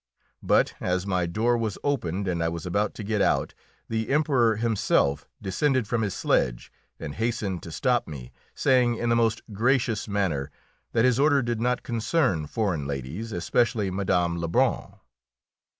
But, as my door was opened and I was about to get out, the Emperor himself descended from his sledge and hastened to stop me, saying in the most gracious manner that his order did not concern foreign ladies, especially Mme. Lebrun.